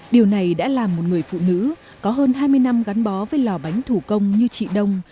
điều này đã làm một người phụ nữ có hơn hai mươi năm gắn bó với lò bánh thủ công như chị đông